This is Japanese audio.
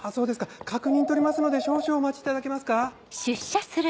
確認取りますので少々お待ちいただけますか？